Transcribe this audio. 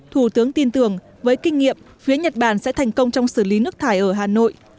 thủ tướng tin tưởng với kinh nghiệm phía nhật bản sẽ thành công trong xử lý nước thải ở hà nội